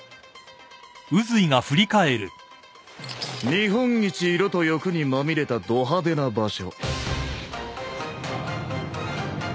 日本一色と欲にまみれたド派手な場所。